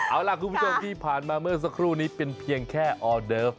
เอาล่ะคุณผู้ชมที่ผ่านมาเมื่อสักครู่นี้เป็นเพียงแค่ออเดิฟ